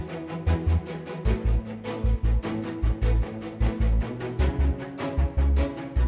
แล้วก็ก็ยังมีอาธิบัติกำลังรับตัวไว้ก่อนที่เขาก็จะตาย